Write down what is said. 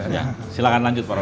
ya silakan lanjut pak roket